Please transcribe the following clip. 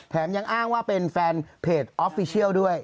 ยังอ้างว่าเป็นแฟนเพจออฟฟิเชียลด้วย